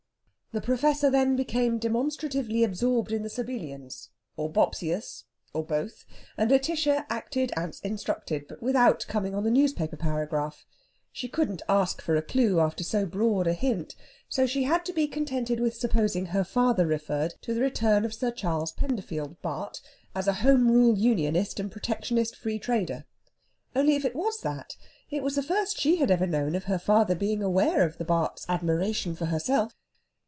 The Professor then became demonstratively absorbed in the Sabellians, or Bopsius, or both, and Lætitia acted as instructed, but without coming on the newspaper paragraph. She couldn't ask for a clue after so broad a hint, so she had to be contented with supposing her father referred to the return of Sir Charles Penderfield, Bart., as a Home Rule Unionist and Protectionist Free Trader. Only if it was that, it was the first she had ever known of her father being aware of the Bart.'s admiration for herself.